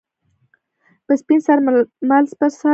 - په سپین سر ململ پر سر.